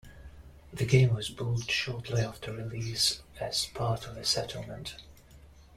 The game was pulled shortly after release as part of the settlement.